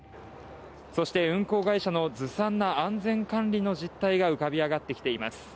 そして運航会社のずさんな安全管理の実態が浮かび上がってきています。